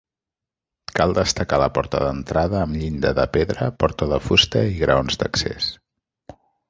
Cal destacar la porta d'entrada amb llinda de pedra, porta de fusta i graons d'accés.